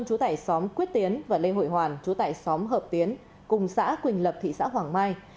chú tải xóm quyết tiến và lê hội hoàn chú tại xóm hợp tiến cùng xã quỳnh lập thị xã hoàng mai